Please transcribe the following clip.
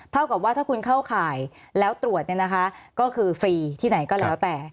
เท่ากับว่าถ้าคุณเข้าข่ายแล้วตรวจเนี่ยนะคะก็คือฟรีที่ไหนก็แล้วแต่